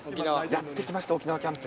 やって来ました沖縄キャンプ。